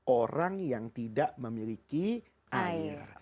orang yang tidak memiliki air